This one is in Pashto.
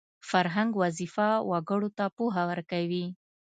فرهنګ وظیفه وګړو ته پوهه ورکوي